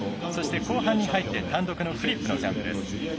後半に入って単独のフリップのジャンプです。